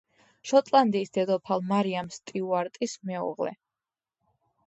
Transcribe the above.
შოტლანდიის დედოფალ მარიამ სტიუარტის მეუღლე.